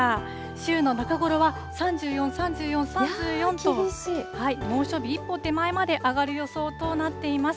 週の中頃は３４、３４、３４と、猛暑日一歩手前まで上がる予想となっています。